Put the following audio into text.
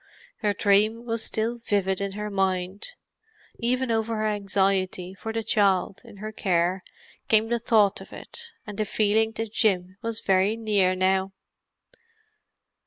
Her dream was still vivid in her mind; even over her anxiety for the child in her care came the thought of it, and the feeling that Jim was very near now.